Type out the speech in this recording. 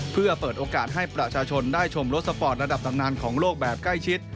เพื่อเปิดโอกาสให้ประชาชนได้ชมรถสปอร์ตระดับตำนานของโลกแบบใกล้ชิด